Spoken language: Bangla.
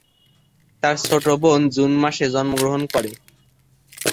তার ছোট বোন জুন মাসে জন্মগ্রহণ করে।